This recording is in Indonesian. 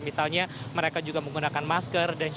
misalnya mereka juga menggunakan masker